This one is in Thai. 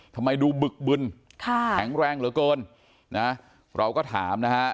ทำไมดูบึกบึนค่ะแข็งแรงเหลือเกินนะเราก็ถามนะฮะ